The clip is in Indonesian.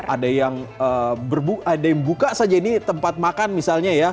ada yang buka saja ini tempat makan misalnya ya